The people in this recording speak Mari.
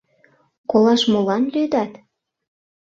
Колаш молан лӱдат?